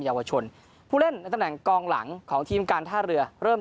เยาวชนผู้เล่นในตำแหน่งกองหลังของทีมการท่าเรือเริ่ม